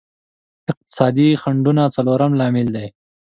اقتصادي خنډونه څلورم لامل دی.